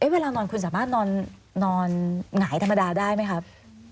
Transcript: เวลานอนคุณสามารถนอนหงายธรรมดาได้ไหมครับ